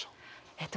えっと